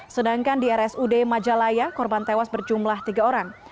sedangkan di rsud majalaya korban tewas berjumlah tiga orang